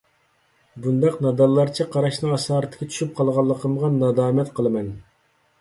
بۇنداق نادانلارچە قاراشنىڭ ئاسارىتىگە چۈشۈپ قالغانلىقىمغا نادامەت قىلىمەن.